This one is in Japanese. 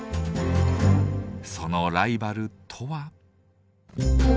そのライバルとは。